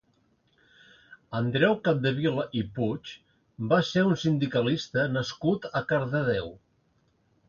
Andreu Capdevila i Puig va ser un sindicalista nascut a Cardedeu.